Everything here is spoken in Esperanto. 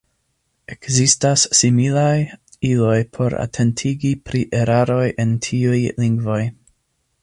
Ekzistas similaj iloj por atentigi pri eraroj en tiuj lingvoj.